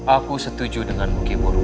aku setuju dengan mungkin